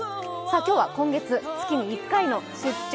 今日は今月、月に１回の「出張！